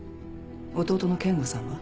弟の健吾さんは？